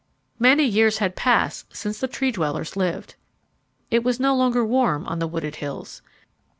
Many years had passed since the Tree dwellers lived. It was no longer warm on the wooded hills.